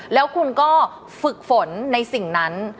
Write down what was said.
แล้วคุณก็ฝึกฝนในสิ่งนั้น